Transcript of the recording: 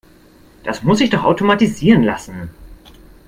Das muss sich doch automatisieren lassen.